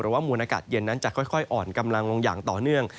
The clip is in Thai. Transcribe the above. ว่ามูลอากาศเย็นนั้นจะค่อยอ่อนกำลังลงอย่างต่อเนื่อง